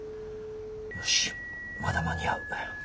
よしまだ間に合う。